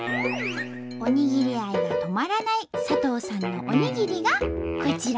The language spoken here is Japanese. おにぎり愛が止まらない佐藤さんのおにぎりがこちら。